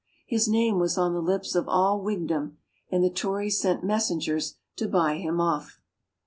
His name was on the lips of all Whigdom, and the Tories sent messengers to buy him off.